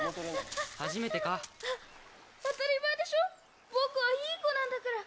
当たり前でしょ、僕はいい子なんだから。